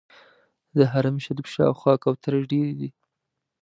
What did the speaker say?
د حرم شریف شاوخوا کوترې ډېرې دي.